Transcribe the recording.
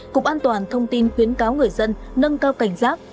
cục an toàn thông tin khuyến cáo người dân nâng cao cảnh giác